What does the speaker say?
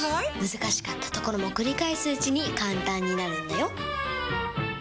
難しかったところも繰り返すうちに簡単になるんだよ！